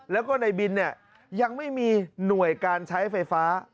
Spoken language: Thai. แล้วก็ในบินยังไม่มีหน่วยการใช้ไฟฟ้า